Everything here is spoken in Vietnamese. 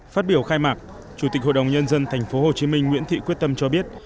phát biểu khai mạc chủ tịch hội đồng nhân dân tp hcm nguyễn thị quyết tâm cho biết